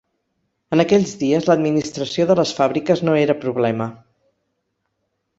En aquells dies l'administració de les fàbriques no era problema.